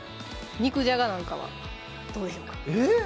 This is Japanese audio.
肉じゃがなんかはどうでしょうかえっ？